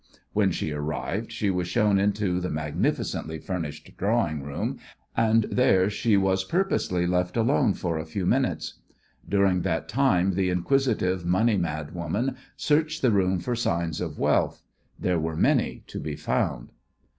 When she arrived she was shown into the magnificently furnished drawing room, and there she was purposely left alone for a few minutes. During that time the inquisitive, money mad woman searched the room for signs of wealth. There were many to be found.